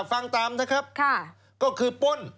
ฟังตามนะครับก็คือป้น